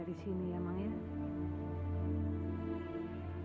mereka pasti bisa belajar dari orang lain